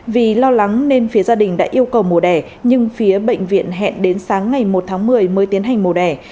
vì lo lắng nên phía gia đình đã yêu cầu mùa đẻ nhưng phía bệnh viện hẹn đến sáng ngày một tháng một mươi mới tiến hành màu đẻ